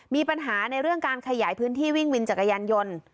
มีปัญหาในเรื่องการขยายพื้นที่วิ่งวินจักรยานยนต์